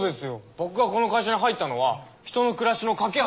僕がこの会社に入ったのは人の暮らしの架け橋に。